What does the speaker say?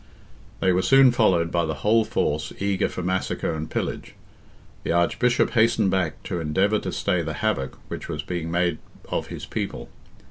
They were soon followed by the whole force eager for massacre and pillage. The Archbishop hastened back to endeavour to stay the havoc which was being made of his people.